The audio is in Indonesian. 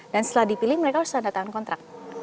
dan setelah dipilih mereka harus ada tahun kontrak